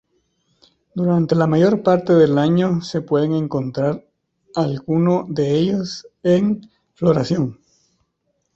Durante la mayor parte del año se puede encontrar alguno de ellos en floración.